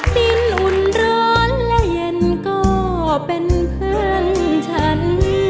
ดินอุ่นร้อนและเย็นก็เป็นเพื่อนฉัน